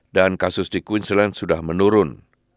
dan kasus di queensland sudah menurun